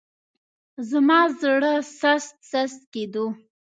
زما زړه سست سست کېدو.